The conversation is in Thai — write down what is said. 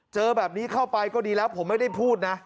เจอแบบนี้เข้าไปก็ดีแล้วผมไม่ได้พูดนะ